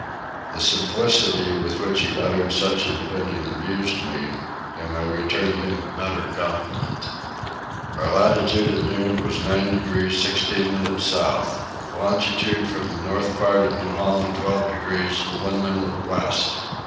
The simplicity with which he uttered such an opinion amused me and I returned him a better compliment. Our latitude at noon was 9 degrees 16 minutes south. Longitude from the north part of New Holland 12 degrees 1 minute west.